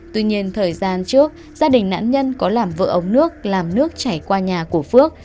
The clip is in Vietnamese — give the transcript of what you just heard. tuy nhiên thời gian trước gia đình nạn nhân có làm vợ ống nước làm nước chảy qua nhà của phước